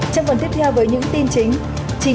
trong phần tiếp theo với những tin chính